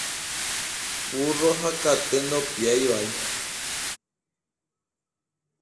Vúrro ha kate ndopiávai.